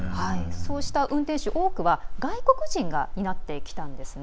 そうした運転手、多くは外国人が担ってきたんですね。